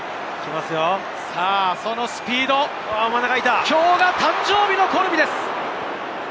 そのスピード、きょうが誕生日のコルビです。